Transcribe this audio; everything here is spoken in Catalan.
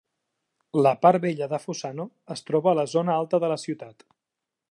La part vella de Fossano es troba a la zona alta de la ciutat.